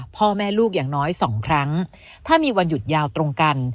พ่อแม่ลูกอย่างน้อยสองครั้งถ้ามีวันหยุดยาวตรงกัน